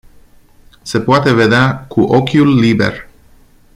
Se poate vedea cu ochiul liber.